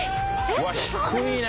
うわ低いね。